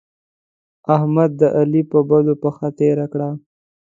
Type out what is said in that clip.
احمد؛ د علي پر بدو پښه تېره کړه.